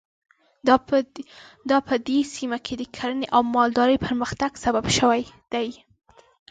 دا په دې سیمه کې د کرنې او مالدارۍ پرمختګ سبب شوي دي.